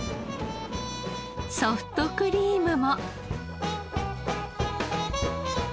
ソフトクリームも。